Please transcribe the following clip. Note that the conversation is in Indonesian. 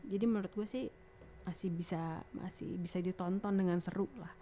jadi menurut gue sih masih bisa ditonton dengan seru lah